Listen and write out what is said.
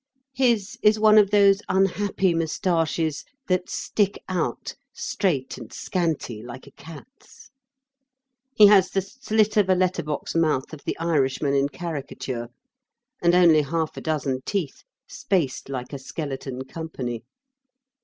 His is one of those unhappy moustaches that stick out straight and scanty like a cat's. He has the slit of a letter box mouth of the Irishman in caricature, and only half a dozen teeth spaced like a skeleton company.